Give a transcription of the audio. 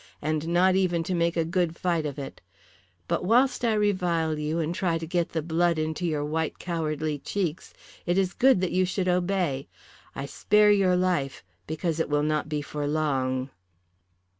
And not even to make a good fight of it. But whilst I revile you and try to get the blood into your white cowardly cheeks it is good that you should obey. I spare your life because it will not be for long."